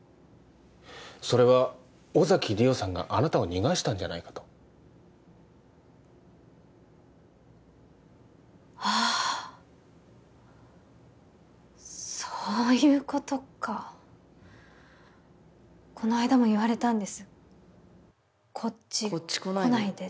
それは尾崎莉桜さんがあなたを逃がしたんじゃないかとああそういうことかこの間も言われたんですこっち来ないでよ